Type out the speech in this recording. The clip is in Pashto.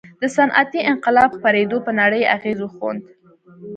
د صنعتي انقلاب خپرېدو پر نړۍ اغېز وښند.